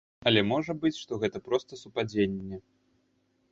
Але можа быць, што гэта проста супадзенне.